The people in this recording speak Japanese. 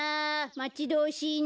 まちどおしいな。